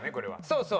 そうそう。